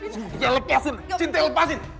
siktya lepasin siktya lepasin